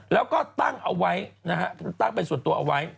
แล้วก็ตั้งเอาไว้นะฮะตั้งเป็นส่วนตัวเอาไว้